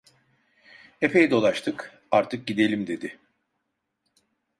Epey dolaştık; artık gidelim!" dedi.